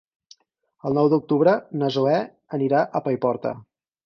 El nou d'octubre na Zoè anirà a Paiporta.